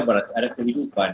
berarti ada kehidupan